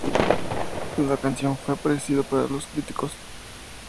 La canción fue apreciada para los críticos.